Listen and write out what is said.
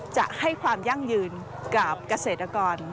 จะให้ความยั่งยืนกับเกษตรกร